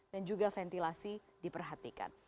dan juga ventilasi diperhatikan